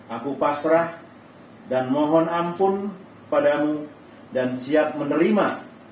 aku pasrah dan mohon ampun padamu dan siap menerima